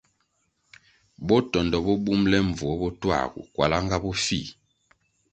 Botondo bo bumʼle mbvuo bo tuagu, kwalá nga bofih.